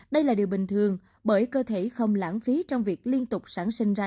đây là điều bình thường bởi cơ thể không lãng phí trong việc liên tục sản sinh ra